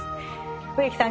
植木さん